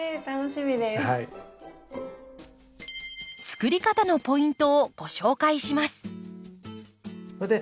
作り方のポイントをご紹介します。